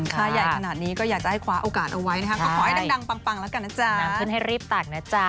ค่าใหญ่ขนาดนี้ก็อยากจะให้คว้าโอกาสเอาไว้นะคะก็ขอให้ดังปังแล้วกันนะจ๊ะน้ำขึ้นให้รีบตักนะจ๊ะ